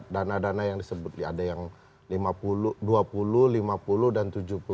dana dana yang disebut ada yang dua puluh lima puluh dan tujuh puluh